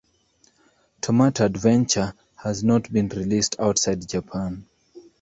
"Tomato Adventure" has not been released outside Japan.